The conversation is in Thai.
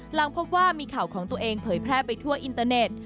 หลังพบว่ามีข่าวของตัวเองเผยแพร่ไปทั่วอินเตอร์เน็ต